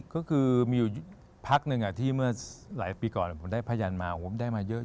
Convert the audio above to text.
ก็คือมีอยู่พักหนึ่งที่เมื่อหลายปีก่อนผมได้พยันมาผมได้มาเยอะ